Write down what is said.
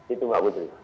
itu enggak butuh